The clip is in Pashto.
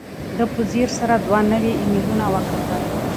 ده په ځیر سره دوه نوي ایمیلونه وکتل.